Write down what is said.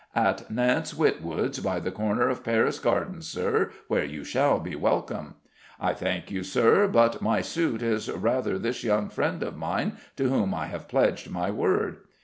"At Nance Witwold's, by the corner of Paris Garden, Sir, where you shall be welcome." "I thank you, Sir. But my suit is rather for this young friend of mine, to whom I have pledged my word."